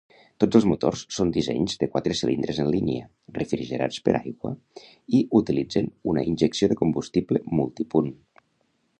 Tots els motors són dissenys de quatre cilindres en línia, refrigerats per aigua i utilitzen una injecció de combustible multipunt.